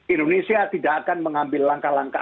indonesia tidak akan mengambil langkah langkah